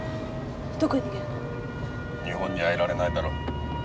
日本にはいられないだろう。